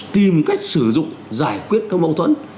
tìm cách sử dụng giải quyết các mâu thuẫn